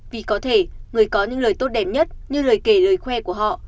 vì có thể người có những lời tốt đẹp nhất như lời kể lời khoe của họ